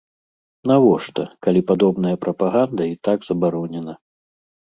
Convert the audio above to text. Навошта, калі падобная прапаганда і так забаронена?